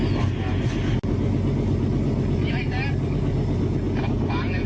พี่ต้องการเก็บเวลาเข้า